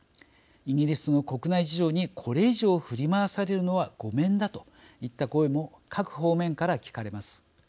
イギリスの国内事情にこれ以上、振り回されるのはごめんだといった声も各方面から聞かれます。